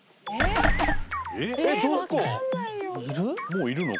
もういるの？